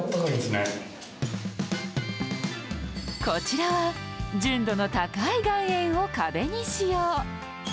こちらは純度の高い岩塩を壁に使用。